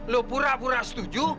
lu pura pura setuju